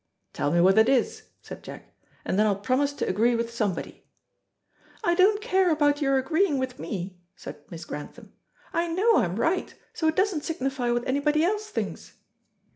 "Tell me what it is," said Jack, "and then I'll promise to agree with somebody." "I don't care about your agreeing with me," said Miss Grantham. "I know I'm right, so it doesn't signify what anybody else thinks."